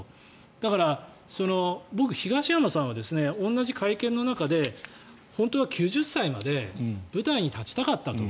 だから、僕、東山さんは同じ会見の中で本当は９０歳まで舞台に立ちたかったと。